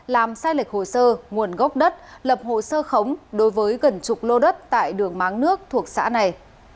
làm sai lệch hồ sơ nguồn gốc đất lập hồ sơ khống đối với gần chục lô đất tại đường máng nước thuộc xã này